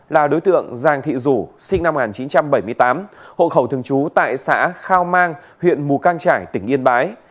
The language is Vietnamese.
là đối tượng giàng thị rủ sinh năm một nghìn chín trăm bảy mươi tám hộ khẩu thường trú tại xã khao mang huyện mù căng trải tỉnh yên bái